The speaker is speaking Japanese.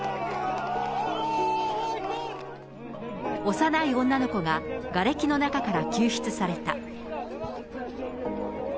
幼い女の子ががれきの中から救出された。